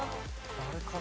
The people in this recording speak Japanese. あれかな？